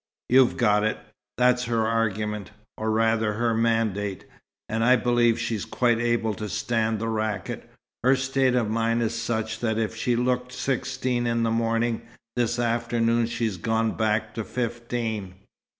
"You've got it. That's her argument. Or rather, her mandate. And I believe she's quite able to stand the racket. Her state of mind is such, that if she looked sixteen in the morning, this afternoon she's gone back to fifteen."